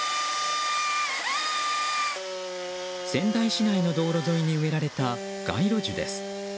仙台市内の道路沿いに植えられた街路樹です。